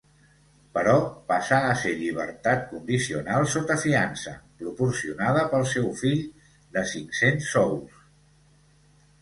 Però passà a ser llibertat condicional sota fiança —proporcionada pel seu fill— de cinc-cents sous.